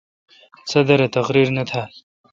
صدر اے° تقریر نہ تھال۔